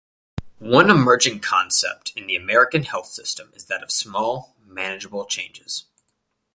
One emerging concept in the American health system is that of small, manageable changes.